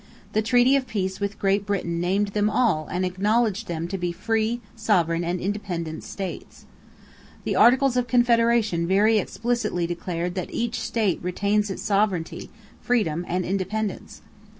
The treaty of peace with Great Britain named them all and acknowledged them "to be free, sovereign, and independent states." The Articles of Confederation very explicitly declared that "each state retains its sovereignty, freedom, and independence."